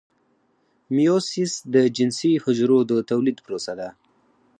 میوسیس د جنسي حجرو د تولید پروسه ده